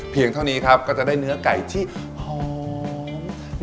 เท่านี้ครับก็จะได้เนื้อไก่ที่หอม